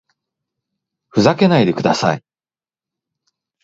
ふざけないでください